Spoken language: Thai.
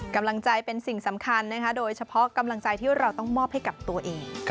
กำลังใจเป็นสิ่งสำคัญนะคะโดยเฉพาะกำลังใจที่เราต้องมอบให้กับตัวเอง